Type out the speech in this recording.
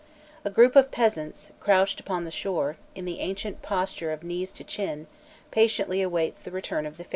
A group of peasants, crouched upon the shore, in the ancient posture of knees to chin, patiently awaits the return of the ferry boat.